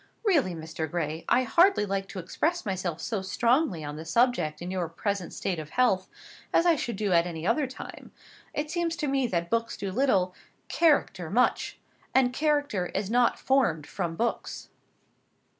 Really, Mr. Gray, I hardly like to express myself so strongly on the subject in your present state of health, as I should do at any other time. It seems to me that books do little; character much; and character is not formed from books."